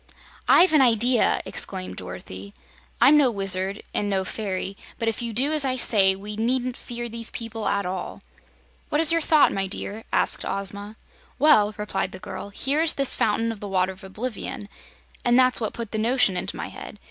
"I've an idea!" exclaimed Dorothy. "I'm no wizard, and no fairy, but if you do as I say, we needn't fear these people at all." "What is your thought, my dear?" asked Ozma. "Well," replied the girl, "here is this Fountain of the Water of Oblivion, and that's what put the notion into my head.